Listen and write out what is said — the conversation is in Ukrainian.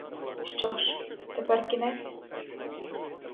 Що ж, тепер кінець?